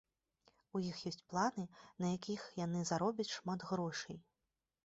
У іх ёсць планы, на якіх яны заробяць шмат грошай.